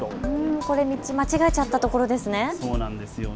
これ道、間違えちゃったところですね。